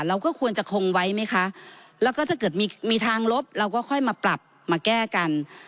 เราก็ควรจะคงไว้ไหมคะแล้วก็ถ้าเกิดมีมีทางลบเราก็ค่อยมาปรับมาแก้กัน